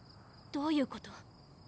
どういうこと？